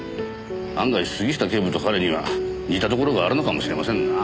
案外杉下警部と彼には似たところがあるのかもしれませんな。